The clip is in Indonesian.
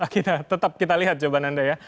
kita tetap kita lihat jawaban anda ya